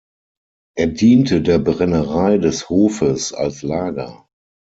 Er diente der Brennerei des Hofes als Lager.